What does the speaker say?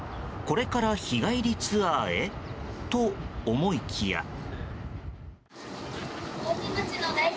これから日帰りツアーへと思いきや。